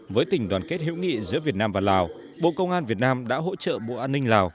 với tình đoàn kết hữu nghị giữa việt nam và lào bộ công an việt nam đã hỗ trợ bộ an ninh lào